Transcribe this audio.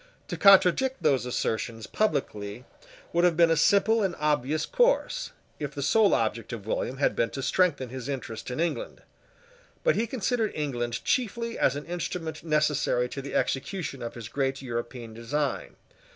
To contradict those assertions publicly would have been a simple and obvious course, if the sole object of William had been to strengthen his interest in England. But he considered England chiefly as an instrument necessary to the execution of his great European design.